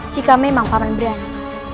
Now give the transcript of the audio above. jika memang paman berani